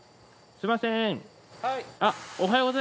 すみません。